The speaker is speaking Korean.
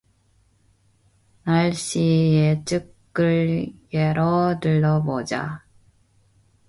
날씨 예측을 예로 들어 보자.